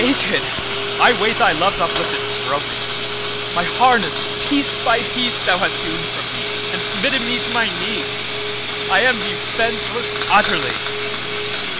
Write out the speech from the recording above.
'Naked I wait Thy love's uplifted stroke! My harness piece by piece Thou hast hewn from me, And smitten me to my knee;I am defenceless utterly.